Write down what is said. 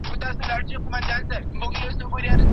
ايا ستا نظر زما لپاره ډېر مهم دی؟